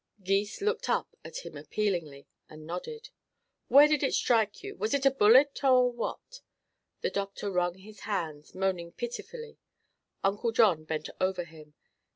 Gys looked up at him appealingly and nodded. "Where did it strike you? Was it a bullet or what?" The doctor wrung his hands, moaning pitifully. Uncle John bent over him.